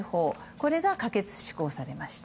これが可決・施行されました。